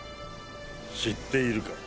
知っているか？